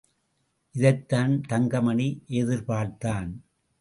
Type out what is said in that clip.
இதைத்தான் தங்கமணி எதிர்பார்த்தான்.